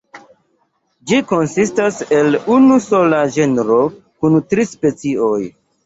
Ĝi konsistas el unu sola genro kun tri specioj.